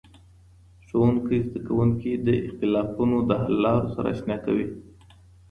ښوونکی زدهکوونکي د اختلافونو د حللارو سره اشنا کوي.